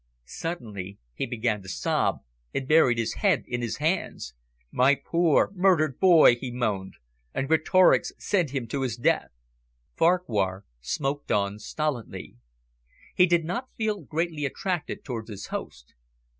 Suddenly he began to sob, and buried his head in his hands. "My poor murdered boy," he moaned. "And Greatorex sent him to his death." Farquhar smoked on stolidly. He did not feel greatly attracted towards his host.